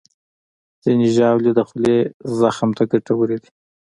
ځینې ژاولې د خولې زخم ته ګټورې دي.